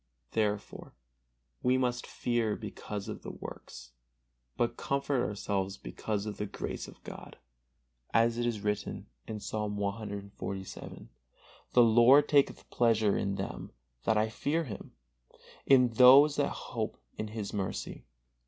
Therefore we must fear because of the works, but comfort ourselves because of the grace of God, as it is written, Psalm cxlvii: "The Lord taketh pleasure in them that I fear Him, in those that hope in His mercy."